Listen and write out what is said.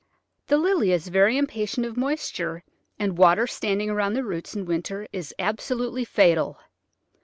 The Lily is very impatient of moisture, and water standing around the roots in winter is absolutely fatal.